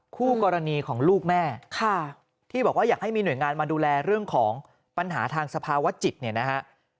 คู่กรณีของลูกแม่ที่บอกว่าอยากให้มีหน่วยงานมาดูแลเรื่องของปัญหาทางสภาวะจิตเนี่ยนะฮะ